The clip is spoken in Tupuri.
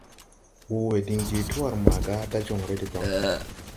Wowe din je twar maga da jonre deban.